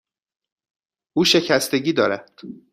او شکستگی دارد.